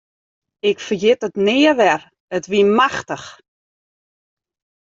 Ik ferjit it nea wer, it wie machtich.